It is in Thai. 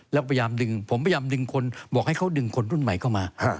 แล้วก็พยายามดึงผมพยายามดึงคนบอกให้เขาดึงคนรุ่นใหม่เข้ามา